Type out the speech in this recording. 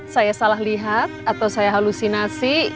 saya salah lihat atau saya halusinasi